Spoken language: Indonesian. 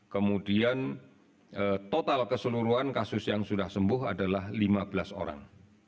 kemudian total keseluruhan kasus yang sudah sembuh adalah lima belas orang